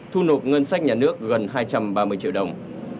thu nộp ngân sách nhà nước gần hai trăm ba mươi triệu đồng